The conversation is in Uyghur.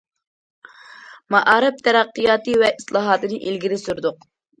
مائارىپ تەرەققىياتى ۋە ئىسلاھاتىنى ئىلگىرى سۈردۇق.